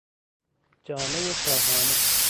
جامهی شاهانه